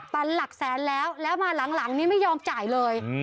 ันหลักแสนแล้วแล้วมาหลังนี้ไม่ยอมจ่ายเลย